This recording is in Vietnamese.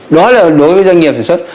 đó là đối với doanh nghiệp sản xuất